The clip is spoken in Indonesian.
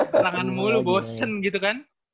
tangan mulu bosen gitu kan